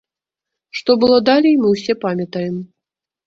Што было далей, мы ўсе памятаем.